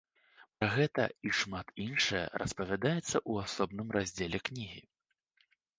Пра гэта і шмат іншае распавядаецца ў асобным раздзеле кнігі.